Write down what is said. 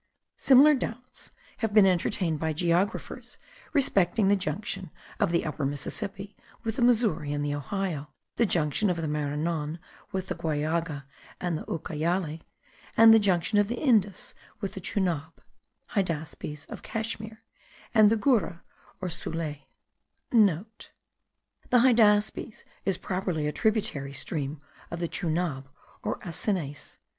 Similar doubts have been entertained by geographers respecting the junction of the Upper Mississippi with the Missouri and the Ohio, the junction of the Maranon with the Guallaga and the Ucayale, and the junction of the Indus with the Chunab (Hydaspes of Cashmere) and the Gurra, or Sutlej.* (* The Hydaspes is properly a tributary stream of the Chunab or Acesines.